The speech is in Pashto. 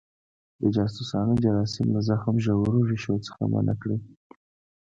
د جاسوسانو جراثیم له زخم ژورو ریښو څخه منع کړي.